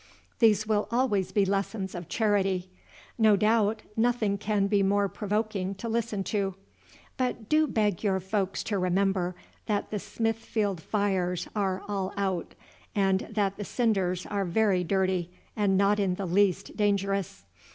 These will always be lessons of charity. No doubt, nothing can be more provoking to listen to. But do beg your folks to remember that the Smithfield fires are all out, and that the cinders are very dirty and not in the least dangerous.